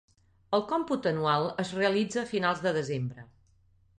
El còmput anual es realitza a finals de desembre.